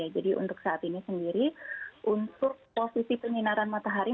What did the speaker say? jadi untuk saat ini sendiri untuk posisi penginaran matahari